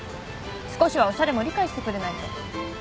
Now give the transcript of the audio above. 少しはおしゃれも理解してくれないと。